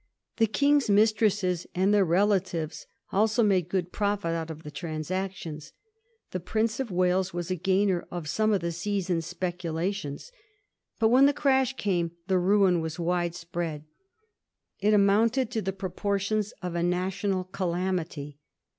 The King's mistresses and their relatives also made good profit out of the transactions. The Prince of Wales was a gainer by some of the season's speculations. But when the crash came the ruin was wide spread ; it amounted to the proportions of a national calamity.